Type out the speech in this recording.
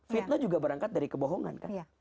fitnah juga berangkat dari kebohongan kan